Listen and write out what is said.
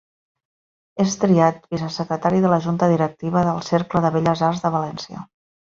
És triat vicesecretari de la junta directiva del Cercle de Belles Arts de València.